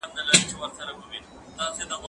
منډه د لوبغاړي له خوا وهل کيږي؟